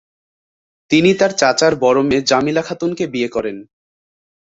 তিনি তার চাচার বড় মেয়ে জামিলা খাতুনকে বিয়ে করেন।